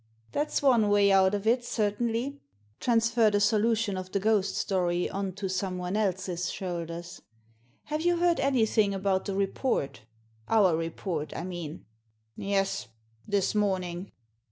" That's one way out of it, certainly — transfer thfe solution of the ghost story on to someone else's shoulders. Have you heard anything about the report — our report I mean?" "Yes. This morning.